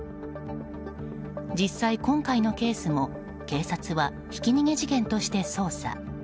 実際、今回のケースも警察はひき逃げ事件として捜査。